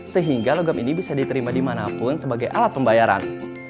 sehingga logam ini bisa diterima dimanapun sebagai alat pembayaran